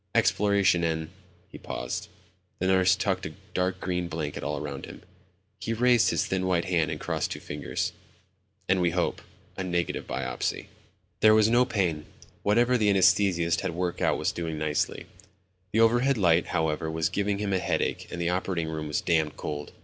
"Exploration and ..." he paused; the nurse tucked a dark gray blanket all around him. He raised his thin white hand and crossed two fingers ... "and we hope, a negative biopsy." There was no pain. Whatever the anesthetist had worked out was doing nicely. The overhead light, however, was giving him a headache and the operating room was damned cold.